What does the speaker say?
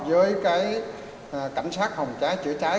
với cảnh sát phòng cháy chữa cháy